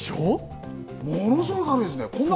ものすごい軽いですね、こん